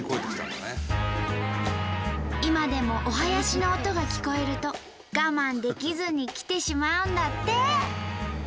今でもお囃子の音が聞こえると我慢できずに来てしまうんだって。